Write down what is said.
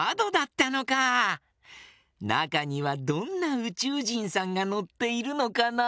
なかにはどんなうちゅうじんさんがのっているのかな？